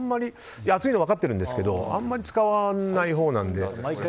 熱いの分かってるんですけどあんまり使わないほうなので。